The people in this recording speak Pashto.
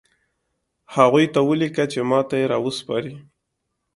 هغوی ته ولیکه چې ماته یې راوسپاري